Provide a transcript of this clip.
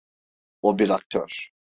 O bir aktör.